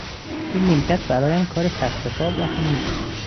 این نیمکت برایم کار تختخواب را هم میکند.